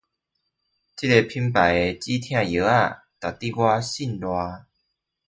這品牌的止痛藥值得我信賴